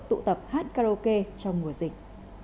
tụ tập hát karaoke trong mùa dịch